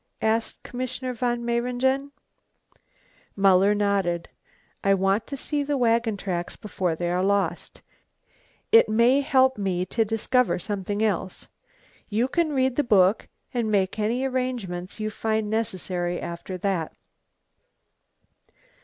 asked Commissioner von Mayringen. Muller nodded. "I want to see the wagon tracks before they are lost; it may help me to discover something else. You can read the book and make any arrangements you find necessary after that."